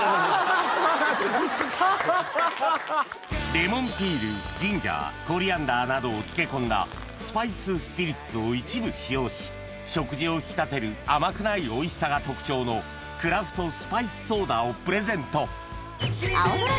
レモンピールジンジャーコリアンダーなどを漬け込んだスパイススピリッツを一部使用し食事を引き立てる甘くないおいしさが特徴のクラフトスパイスソーダをプレゼント